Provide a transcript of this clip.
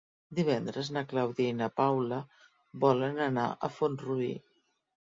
Divendres na Clàudia i na Paula volen anar a Font-rubí.